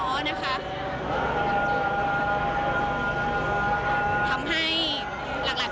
ตอนนี้เป็นครั้งหนึ่งครั้งหนึ่ง